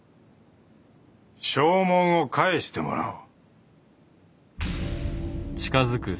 証文を返してもらおう。